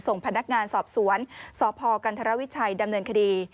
ส่งพนักงานสอบสวนสพกันธรวิชัยดำเนินคดี